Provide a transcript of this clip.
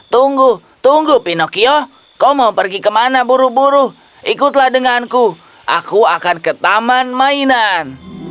tunggu tunggu pinocchio kau mau pergi kemana buru buru ikutlah denganku aku akan ke taman mainan